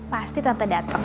pasti tante dateng